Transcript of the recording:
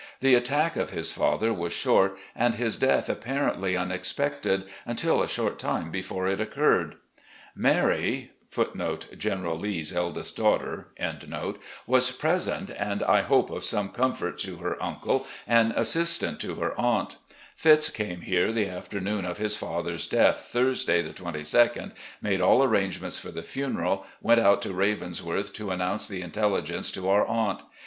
The attack of his father was short, and his death apparently unexpected imtil a short' time before it occurred. Mary* was present, and I hope of some comfort to her uncle and assistance to her aunt. Fitz. came here the afternoon of his father's death, Thurs day, 2 2d, made all arrangements for the funeral, went out to ' Ravensworth ' to announce the intelligence to our aunt.